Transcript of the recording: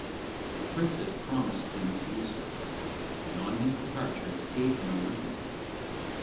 The princess promised him to do so, and on his departure gave him a ring.